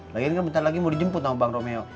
lagi kan bentar lagi mau dijemput sama bang romeo